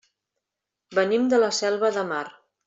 Venim de la Selva de Mar.